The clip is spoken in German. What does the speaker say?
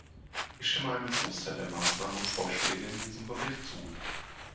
Ich stimme einem Großteil der Maßnahmen und Vorschläge in diesem Bericht zu.